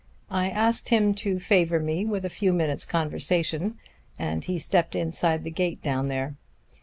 I asked him to favor me with a few minutes' conversation, and he stepped inside the gate down there.